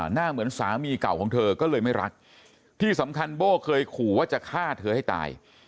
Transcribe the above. หน้าเหมือนสามีเก่าของเธอก็เลยไม่รักที่สำคัญโบ้เคยขู่ว่าจะฆ่าเธอให้ตาย